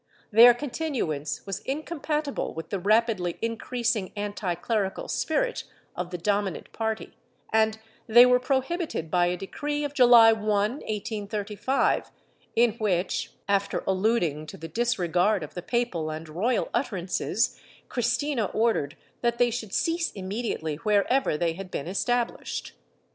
Their continuance was incom patible with the rapidly increasing anticlerical spirit of the dom inant party, and they were prohibited by a decree of July 1, 1835, in which, after alluding to the disregard of the papal and royal utterances, Cristina ordered that they should cease immediately wherever they had been established.